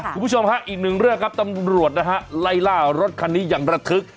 คุณผู้ชมฮะอีกหนึ่งเรื่องครับตำรวจนะฮะไล่ล่ารถคันนี้อย่างระทึก